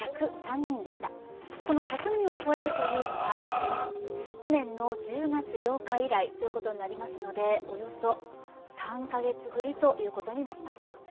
この１００人を超えるというのは、去年１０月８日以来になりますのでおよそ３カ月ぶりということになります。